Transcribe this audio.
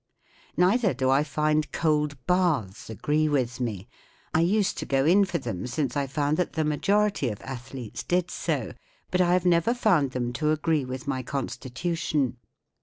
Neither do I find cold baths agree with me. I used to go in for them, since I found that the majority of athletes did so, but l have never found them to agree with my constitution.